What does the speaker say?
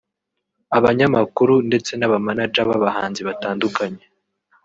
abanyamakuru ndetse n’aba manager b’abahanzi batandukanye